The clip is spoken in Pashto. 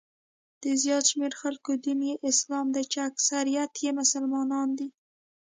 د زیات شمېر خلکو دین یې اسلام دی چې اکثریت یې مسلمانان دي.